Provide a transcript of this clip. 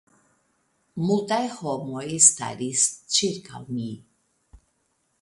Multaj homoj staris ĉirkaŭ mi.